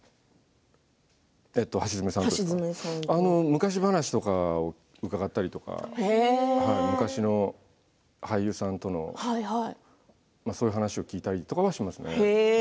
昔話とか伺ったりとか昔の俳優さんとのそういう話を聞いたりとかはしますね。